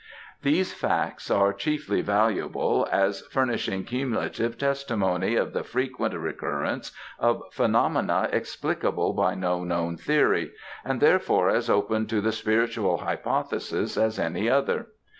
These facts are chiefly valuable, as furnishing cumulative testimony of the frequent recurrence of phenomena explicable by no known theory, and therefore as open to the spiritual hypothesis as any other.